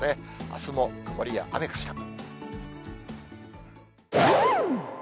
あすも曇りや雨かしら。